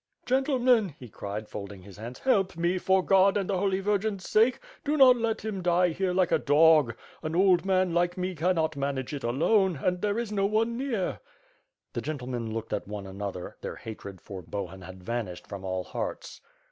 "Gentlemen!" he cried, folding his hands, "help me, for God and the Holy Virgin^s sake; do not let him die here like a dog. An old man like me cannot manage it alone, and there is no one near!" The gentlemen looked at one another, their hatred for Bohun had vanished from all hearts.